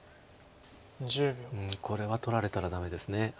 これは取られたらダメです。